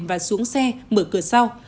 và xuống xe mở cửa sau